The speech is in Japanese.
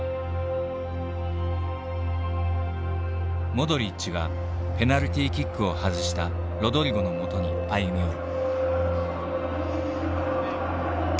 モドリッチがペナルティーキックを外したロドリゴのもとに歩み寄る。